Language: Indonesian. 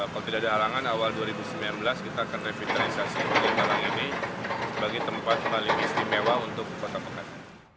pada halangan awal dua ribu sembilan belas kita akan revitalisasi kalimalang ini sebagai tempat paling istimewa untuk kota bekasi